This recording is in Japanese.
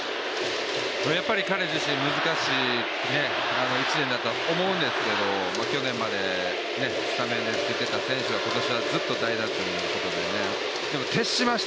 やっぱり彼自身難しい１年だったと思うんですけど去年までスタメンで出てた選手が今年はずっと代打だったんで。